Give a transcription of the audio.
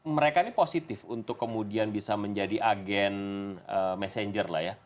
mereka ini positif untuk kemudian bisa menjadi agen messenger lah ya